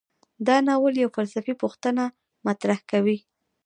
دا ناول یوه فلسفي پوښتنه مطرح کوي.